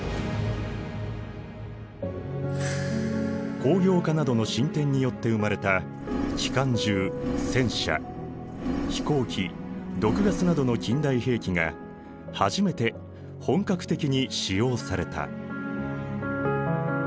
工業化などの進展によって生まれた機関銃戦車飛行機毒ガスなどの近代兵器が初めて本格的に使用された。